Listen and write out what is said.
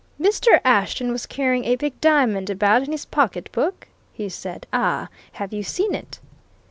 "Mr. Ashton was carrying a big diamond about in his pocketbook?" he said. "Ah have you seen it?"